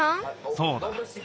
そうだ。